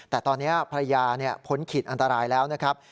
แต่ตอนนี้ภรรยาพ้นขีดอันตรายแล้วนะครับ